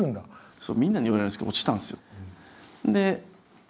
そうみんなに言われるんですけど落ちたんですよ。